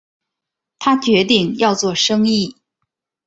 他决定要做生意